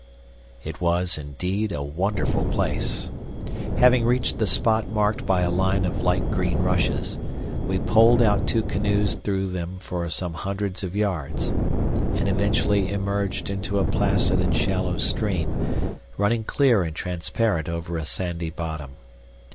It was indeed a wonderful place. Having reached the spot marked by a line of light green rushes, we poled out two canoes through them for some hundreds of yards, and eventually emerged into a placid and shallow stream, running clear and transparent over a sandy bottom.